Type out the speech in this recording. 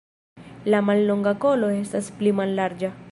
La mallonga kolo estas pli mallarĝa.